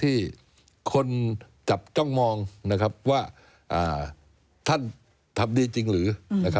ที่คนจับจ้องมองว่าท่านทำดีจริงหรือ